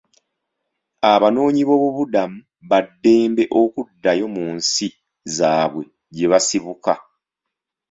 Abanoonyiboobubudamu ba ddembe okuddayo mu nsi zaabwe gye basibuka.